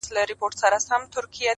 هر موږك سي دېوالونه سوري كولاى٫